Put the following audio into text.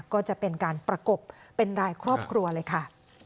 ก็จะเป็นการประกบเป็นรายครอบครัวเลยค่ะ